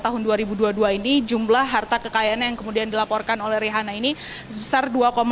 tahun dua ribu dua puluh dua ini jumlah harta kekayaan yang kemudian dilaporkan oleh rihana ini sebesar dua lima